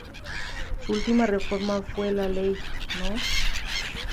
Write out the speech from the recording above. Su última reforma fue la Ley No.